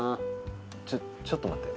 ちょちょっと待って。